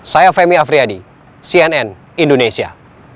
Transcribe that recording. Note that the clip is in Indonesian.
saya femi afriyadi cnn indonesia